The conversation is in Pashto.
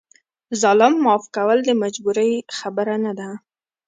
ظالم معاف کول د مجبورۍ خبره نه ده.